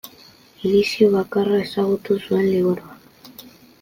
Edizio bakarra ezagutu zuen liburuak.